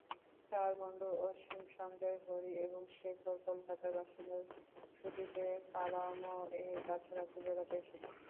চার বন্ধু, অসীম, সঞ্জয়, হরি এবং শেখর, কলকাতার বাসিন্দা, ছুটিতে পালামৌ এর কাছাকাছি বেড়াতে এসেছে।